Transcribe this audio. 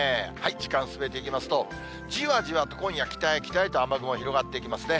時間進めていきますと、じわじわと今夜、北へ北へと雨雲広がっていきますね。